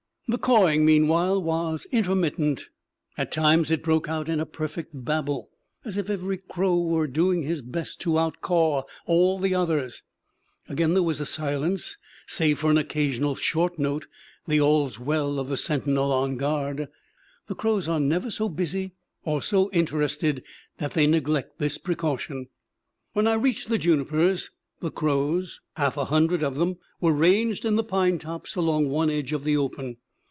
The cawing meanwhile was intermittent; at times it broke out in a perfect babel, as if every crow were doing his best to outcaw all the others; again there was silence save for an occasional short note, the all's well of the sentinel on guard. The crows are never so busy or so interested that they neglect this precaution. When I reached the junipers, the crows half a hundred of them were ranged in the pine tops along one edge of the open.